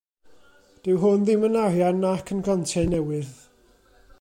Dyw hwn ddim yn arian nac yn grantiau newydd.